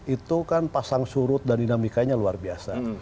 itu kan pasang surut dan dinamikanya luar biasa